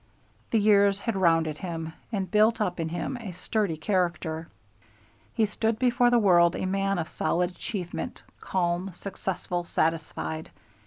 The years had rounded him, and built up in him a sturdy character; he stood before the world a man of solid achievement, calm, successful, satisfied.